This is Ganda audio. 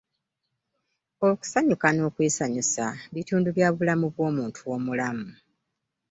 Okusanyuka n'okwesanyusa bitundu ku bulamu bw'omuntu omulamu.